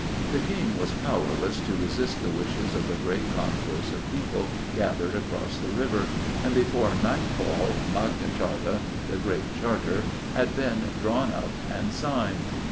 The King was powerless to resist the wishes of the great concourse of people gathered across the river, and before nightfall 'Magna Charta,' the 'Great Charter,' had been drawn up and signed.